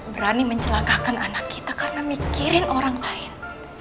berani mencelakakan anak kita karena mikirin orang lain